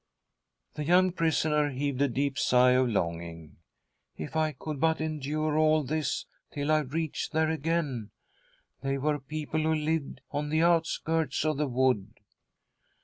The young prisoner heaved a deep sigh of longing. '" If I could but endure all this, till I reach there again ! They were people who lived on the outskirts of the wood."